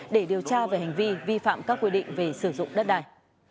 để điều tra về hành vi vi phạm các quy định về sử dụng đất đài